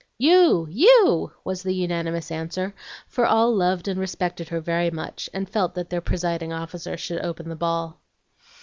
"You! you!" was the unanimous answer; for all loved and respected her very much, and felt that their presiding officer should open the ball.